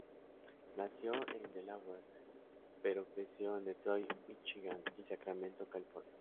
Nació en Delaware, pero creció en Detroit, Michigan y Sacramento, California.